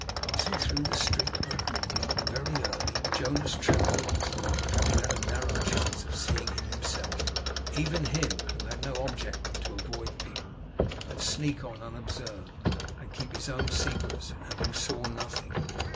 Passing through the street that morning? Very early! Jonas trembled at the thought of having had a narrow chance of seeing him himself; even him, who had no object but to avoid people, and sneak on unobserved, and keep his own secrets; and who saw nothing.